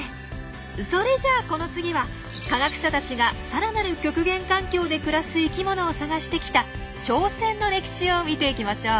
それじゃあこの次は科学者たちがさらなる極限環境で暮らす生きものを探してきた挑戦の歴史を見ていきましょう。